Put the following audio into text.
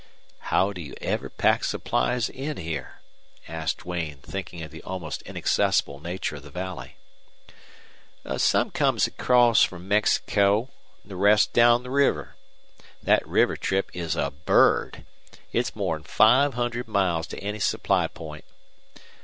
"How do you ever pack supplies in here?" asked Duane, thinking of the almost inaccessible nature of the valley. "Some comes across from Mexico, an' the rest down the river. Thet river trip is a bird. It's more'n five hundred miles to any supply point.